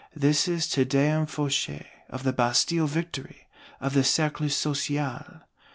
This is Te Deum Fauchet, of the Bastille Victory, of the Cercle Social.